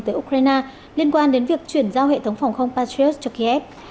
tới ukraine liên quan đến việc chuyển giao hệ thống phòng không patriot cho kiev